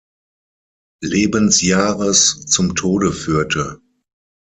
Lebensjahres, zum Tode führte.